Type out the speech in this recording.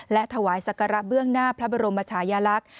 และถวายศักระเบื้องหน้าพระบรมชายลักษณ์